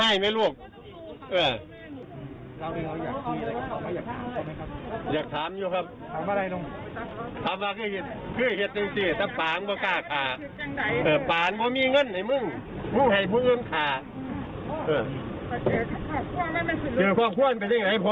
อยากถามอยู่ครับ